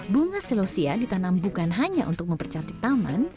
bunga selosia ditanam bukan hanya untuk mempercantik taman